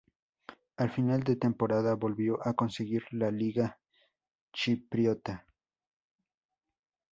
Al final de temporada volvió a conseguir la liga chipriota.